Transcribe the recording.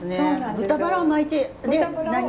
豚バラを巻いてで何も？